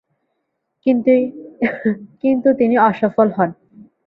কিন্তু তিনি অসফল হন।